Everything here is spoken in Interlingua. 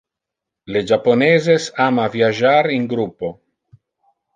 Le japoneses ama viagiar in gruppo.